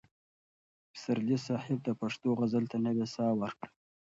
پسرلي صاحب د پښتو غزل ته نوې ساه ورکړه.